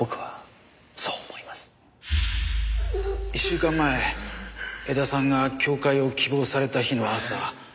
１週間前江田さんが教誨を希望された日の朝。